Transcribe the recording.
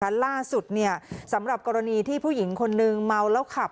ล่าสุดสำหรับกรณีที่ผู้หญิงคนนึงเมาแล้วขับ